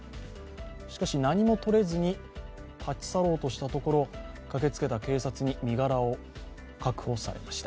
しかし、何も取れずに立ち去ろうとしたところ駆けつけた警察に身柄を確保されました。